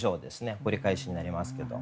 繰り返しになりますけど。